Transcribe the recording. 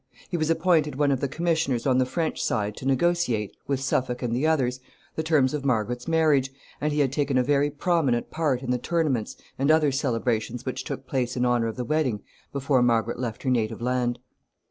He was appointed one of the commissioners on the French side to negotiate, with Suffolk and the others, the terms of Margaret's marriage, and he had taken a very prominent part in the tournaments and other celebrations which took place in honor of the wedding before Margaret left her native land.